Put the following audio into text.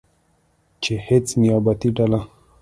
چې هیڅ نیابتي ډله